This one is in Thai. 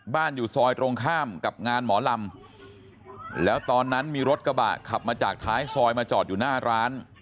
อยู่ซอยตรงข้ามกับงานหมอลำแล้วตอนนั้นมีรถกระบะขับมาจากท้ายซอยมาจอดอยู่หน้าร้าน